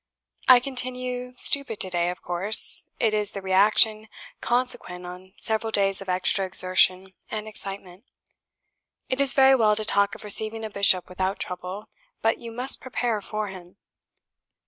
I continue stupid to day: of course, it is the reaction consequent on several days of extra exertion and excitement. It is very well to talk of receiving a Bishop without trouble, but you MUST prepare for him."